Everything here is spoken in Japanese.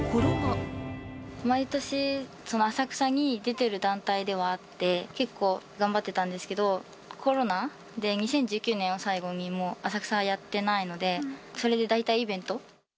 毎年、浅草に出てる団体ではあって、結構、頑張ってたんですけど、コロナで２０１９年を最後に、もう浅草はやってないので、それで代替イベント。